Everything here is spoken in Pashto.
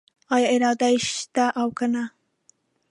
آیا اراده یې شته او کنه؟